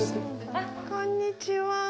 こんにちは。